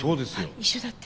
一緒だって。